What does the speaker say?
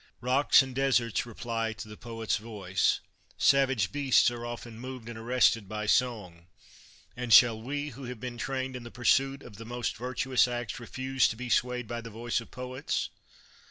Eocks and deserts reply to the poet's voice; savage beasts are often moved and arrested by song; and shall we, who have been trained in the pursuit of the most virtuous acts, refuse to be swayed by the voice of poets?